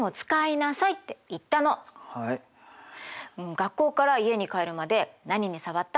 学校から家に帰るまで何に触った？